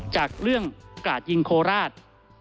จากเรื่องกราดยิงโคราช